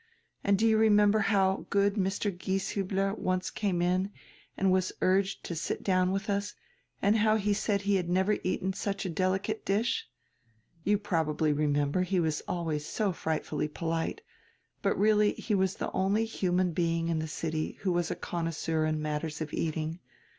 And do you remember how good Mr. Gieshiibler once came in and was urged to sit down widi us, and how he said he had never eaten such a delicate dish? You probably remember he was always so frightfully polite, but really he was die only human being in die city who was a connoisseur in matters of eating.